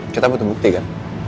kita butuh bukti kan